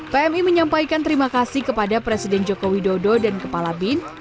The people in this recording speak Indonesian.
pmi menyampaikan terima kasih kepada presiden joko widodo dan kepala bin